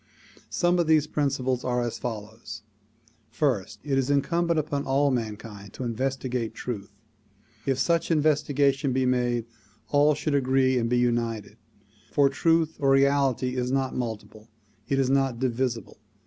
Some of these principles are as follows: First; it is incumbent upon all mankind to investigate truth. If such investigation be made, all should agree and be united, for 101 102 THE PROMULGATION OF UNIVERSAL PEACE truth or reality is not multiple ; it is not divisible.